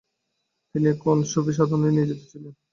তিনি তখন সুফিসাধনায়ও নিয়োজিত ছিলেন।